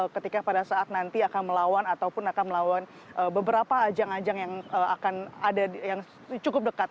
ketika pada saat nanti akan melawan ataupun akan melawan beberapa ajang ajang yang cukup dekat